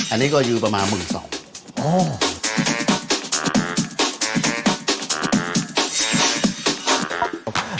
อันนี้ก็ยือประมาณ๑๒บาท